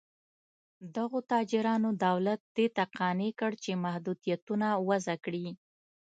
دغو تاجرانو دولت دې ته قانع کړ چې محدودیتونه وضع کړي.